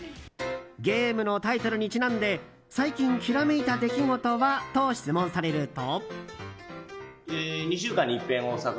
ゲームのタイトルにちなんで最近きらめいた出来事は？と質問されると。